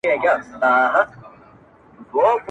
عبث مه ضایع کوه پکښي تخمونه-